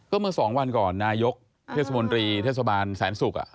เมื่อสองวันก่อนนายกเทศมนตรีเทศบาลแสนศุกร์